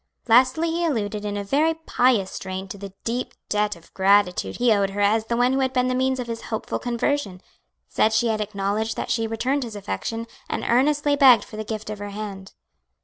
Lastly he alluded in a very pious strain to the deep debt of gratitude he owed her as the one who had been the means of his hopeful conversion; said she had acknowledged that she returned his affection, and earnestly begged for the gift of her hand.